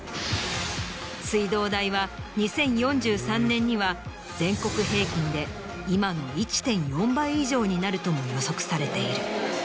水道代は２０４３年には全国平均で今の１．４倍以上になるとも予測されている。